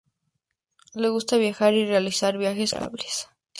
Le gustaba viajar y realizaba viajes considerables.